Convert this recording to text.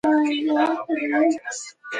موبایل د نړۍ سره د تړاو وسیله ده.